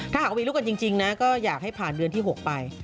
ถ้าหากว่ามีลูกกันจริงนะก็อยากให้ผ่านเดือนที่๖ไป